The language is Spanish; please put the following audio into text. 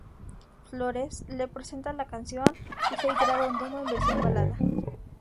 Flórez le presenta la canción y Fey graba un demo en versión balada.